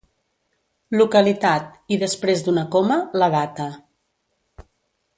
Localitat, i després d'una coma, la data.